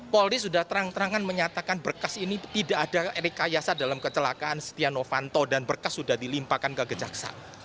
polri sudah terang terangan menyatakan berkas ini tidak ada rekayasa dalam kecelakaan setia novanto dan berkas sudah dilimpahkan ke kejaksaan